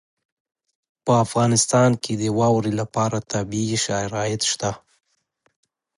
په افغانستان کې د واورې لپاره طبیعي شرایط شته.